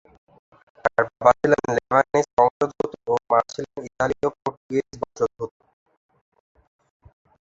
তার বাবা ছিলেন লেবানিজ বংশোদ্ভূত ও মা ছিলেন ইতালীয়-পর্তুগিজ বংশোদ্ভূত।